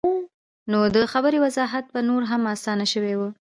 نو د خبرې وضاحت به نور هم اسان شوے وۀ -